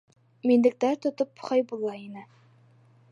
Миндектәр тотоп Хәйбулла инә.